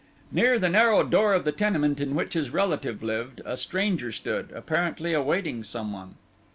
Near the narrow door of the tenement in which his relative lived, a stranger stood, apparently awaiting some one.